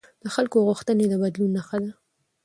د خلکو غوښتنې د بدلون نښه ده